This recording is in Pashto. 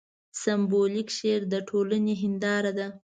سېمبولیک شعر د ټولنې هینداره ده.